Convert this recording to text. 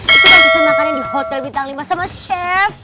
kita bisa makan di hotel bintang limba sama chef